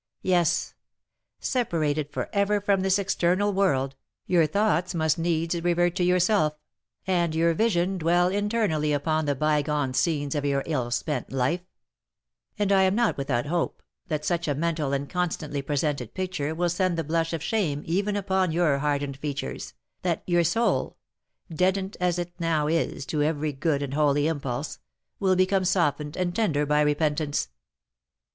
Yes, separated for ever from this external world, your thoughts must needs revert to yourself, and your vision dwell internally upon the bygone scenes of your ill spent life; and I am not without hope that such a mental and constantly presented picture will send the blush of shame even upon your hardened features, that your soul, deadened as it now is to every good and holy impulse, will become softened and tender by repentance.